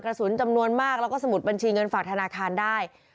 จำนวนมากแล้วก็สมุดบัญชีเงินฝากธนาคารได้